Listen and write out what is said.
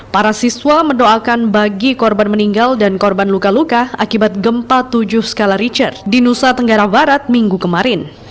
para siswa mendoakan bagi korban meninggal dan korban luka luka akibat gempa tujuh skala richard di nusa tenggara barat minggu kemarin